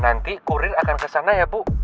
nanti kurir akan kesana ya bu